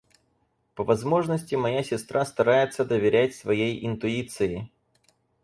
По возможности моя сестра старается доверять своей интуиции.